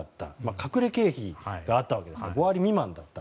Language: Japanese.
隠れ経費があったわけですが５割未満だった。